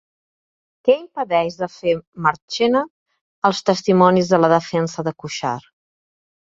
Què impedeix de fer Marchena als testimonis de la defensa de Cuixart?